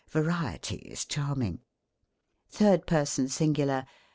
Variety is charming. THIRD PERSON SINGULAR.